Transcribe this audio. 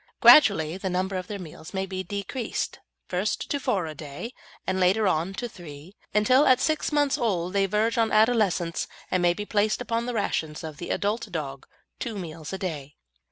Gradually the number of their meals may be decreased, first to four a day, and later on to three, until at six months old they verge on adolescence; and may be placed upon the rations of the adult dog, two meals a day.